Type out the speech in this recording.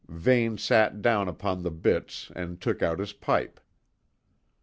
Vane sat down upon the bitts and took out his pipe.